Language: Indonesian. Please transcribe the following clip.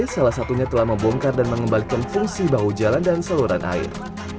salah satunya telah membongkar dan mengembalikan fungsi bahu jalan dan saluran air